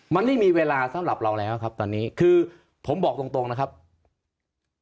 มันไม่มีเวลาสำหรับเราแล้วครับตอนนี้คือผมบอกตรงตรงนะครับ